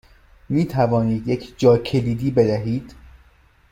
می توانید یک جاکلیدی بدهید؟